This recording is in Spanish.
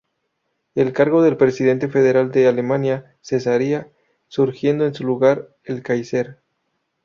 El cargo del Presidente Federal de Alemania cesaría, surgiendo en su lugar el Kaiser.